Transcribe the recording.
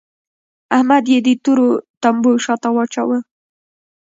احمد يې د تورو تمبو شا ته واچاوو.